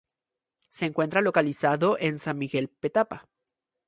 Se encuentra localizado en San Miguel Petapa.